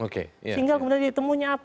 sehingga kemudian ditemunya apa